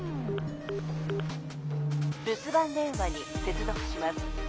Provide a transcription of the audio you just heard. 留守番電話に接続します。